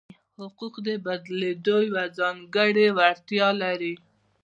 حقوق د بدلېدو یوه ځانګړې وړتیا لري.